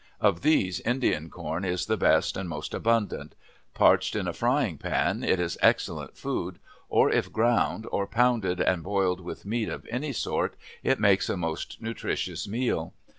Of these, Indian corn is the best and most abundant. Parched in a frying pan, it is excellent food, or if ground, or pounded and boiled with meat of any sort, it makes a most nutritious meal.